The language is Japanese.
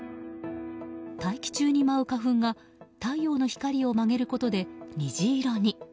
大気中に舞う花粉が太陽の光を曲げることで虹色に。